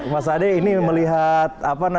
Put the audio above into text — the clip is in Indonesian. mas ade ini melihat apa namanya